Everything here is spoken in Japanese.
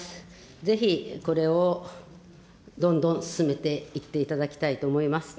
ぜひこれをどんどん進めていっていただきたいと思います。